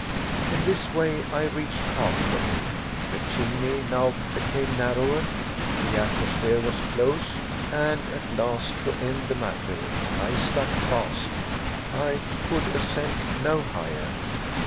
In this way, I reached halfway. The chimney now became narrower. The atmosphere was close, and, at last, to end the matter, I stuck fast. I could ascend no higher.